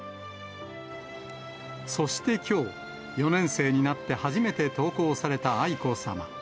そしてきょう、４年生になって初めて登校された愛子さま。